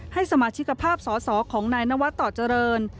ให้สมาชิกภาพสอสอของนายนวัดต่อเจริญ